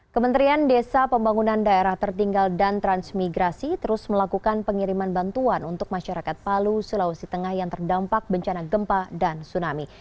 kementerian desa pembangunan daerah tertinggal dan transmigrasi terus melakukan pengiriman bantuan untuk masyarakat palu sulawesi tengah yang terdampak bencana gempa dan tsunami